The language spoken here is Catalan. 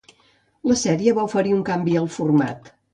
La sèrie va oferir un canvi al format.